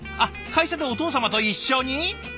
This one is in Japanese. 会社でお父様と一緒に？